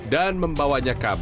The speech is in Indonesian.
dan membawanya ke rumah teman